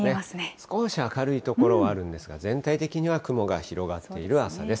少し明るい所はあるんですが、全体的には雲が広がっている朝です。